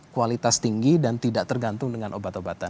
kualitas tinggi dan tidak tergantung dengan obat obatan